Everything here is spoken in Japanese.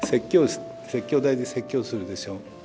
説教台で説教するでしょ。